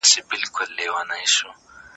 اسلامي ګوند د کمونست ګوند سره اختلاف لري.